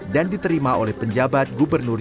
dan diterima oleh penjabat gubernur